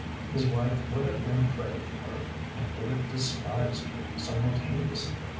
His wife would have been afraid of her, and would have despised her, simultaneously.